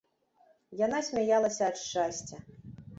Яна смяялася ад шчасця.